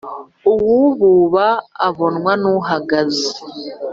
Uwububa abonwa n’uhagaze.